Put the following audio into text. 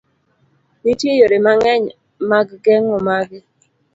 Nitie yore mang'eny mag geng'o magi.